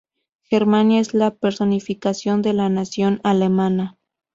Germania es la personificación de la nación alemana.